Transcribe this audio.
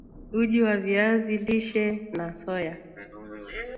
Uji wa viazi lishe na soya